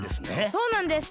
そうなんです。